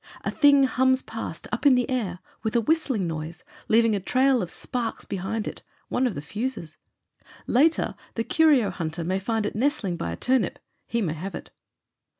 A thing hums past up in the air, with a whistling noise, leaving a trail of sparks behind it— one of the fuses. Later, the xvi PROLOGUE curio hunter may find it nestling by a turnip. He may have it.